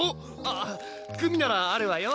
あっグミならあるわよ